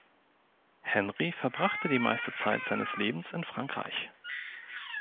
Henri verbrachte die meiste Zeit seines Lebens in Frankreich.